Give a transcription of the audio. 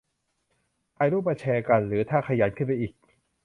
ถ่ายรูปมาแชร์กัน - หรือถ้าขยันขึ้นไปอีก